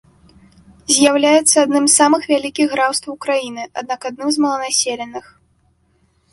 З'яўляецца адным з самых вялікіх графстваў краіны, аднак адным з маланаселеных.